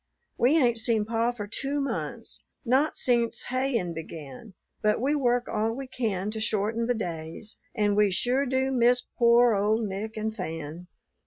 We ain't seen pa for two months, not sence hayin' began, but we work all we can to shorten the days; and we sure do miss pore old Nick and Fan."